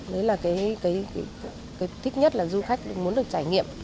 đấy là cái thích nhất là du khách muốn được trải nghiệm